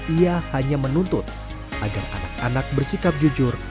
ia hanya menuntut agar anak anak bersikap jujur